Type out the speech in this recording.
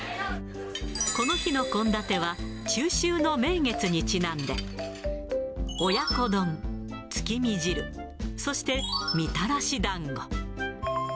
この日の献立は、中秋の名月にちなんで、親子丼、月見汁、そして、みたらしだんご。